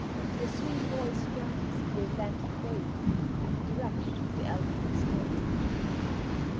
Your sweet voice drowns the Atlantic wave And the rush of the Alpine snow.